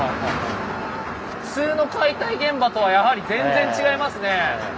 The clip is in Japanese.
普通の解体現場とはやはり全然違いますね。